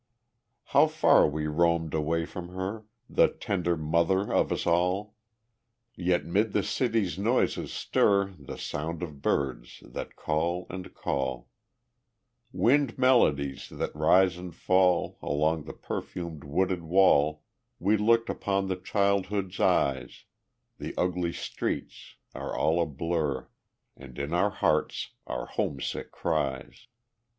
II How far we roamed away from her, The tender mother of us all! Yet 'mid the city's noises stir The sound of birds that call and call, Wind melodies that rise and fall Along the perfumed woodland wall We looked upon with childhood's eyes; The ugly streets are all a blur, And in our hearts are homesick cries.